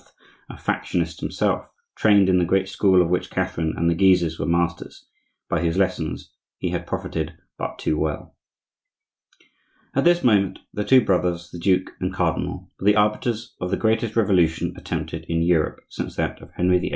a factionist himself, trained in the great school of which Catherine and the Guises were masters,—by whose lessons he had profited but too well. At this moment the two brothers, the duke and cardinal, were the arbiters of the greatest revolution attempted in Europe since that of Henry VIII.